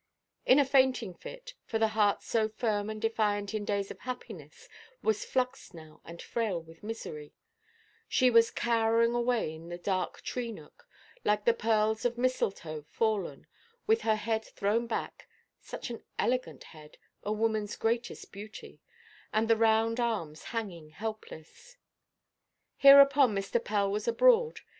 In a fainting fit,—for the heart so firm and defiant in days of happiness was fluxed now and frail with misery—she was cowering away in the dark tree–nook, like the pearls of mistletoe fallen, with her head thrown back (such an elegant head, a womanʼs greatest beauty), and the round arms hanging helpless. Hereupon Mr. Pell was abroad.